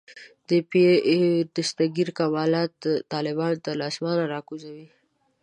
د پیر دستګیر کمالات طالبان له اسمانه راکوزوي.